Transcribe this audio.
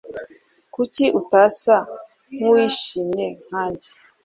Kuki utasa nkuwishimye nkanjye